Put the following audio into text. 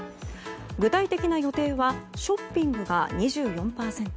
具体的な予定はショッピングが２４％